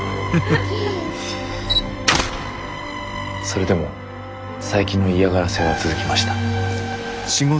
それでも佐伯の嫌がらせは続きました。